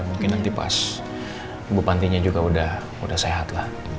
mungkin nanti pas ibu pantinya juga udah sehat lah